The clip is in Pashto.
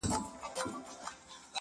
دا راته مه وايه چي تا نه منم دى نه منم.